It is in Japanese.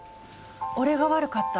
「俺が悪かった。